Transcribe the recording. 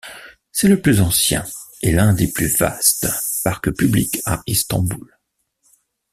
C'est le plus ancien et l'un des plus vastes parcs publics à Istanbul.